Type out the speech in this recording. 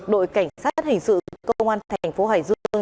đội cảnh sát hình sự công an thành phố hải dương